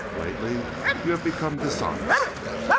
Lately you have become dishonest.